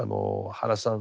原さん